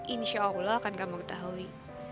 insya allah akan kamu ketahui